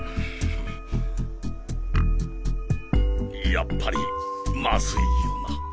やっぱりまずいよな。